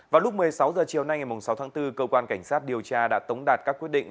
vào lúc một mươi sáu h chiều nay ngày sáu tháng bốn cơ quan cảnh sát điều tra đã tống đạt các quyết định